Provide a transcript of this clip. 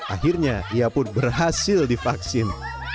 akhirnya ia pun berhasil divaksin